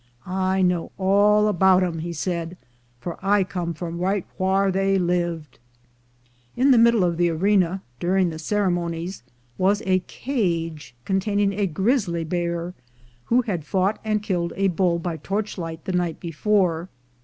I know all about 'em," he said, "for I come from right whar they lived." In the middle of the arena, during the ceremonies, was a cage containing a grizzly bear, who had fought and killed a bull by torchlight the night before.